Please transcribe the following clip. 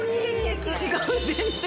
違う全然！